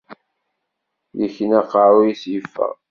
Ikna aqerru-s yeffeɣ.